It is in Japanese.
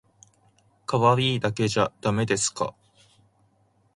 可愛いだけじゃだめですか？